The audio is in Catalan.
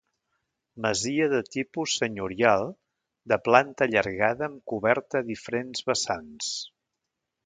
Masia de tipus senyorial, de planta allargada amb coberta a diferents vessants.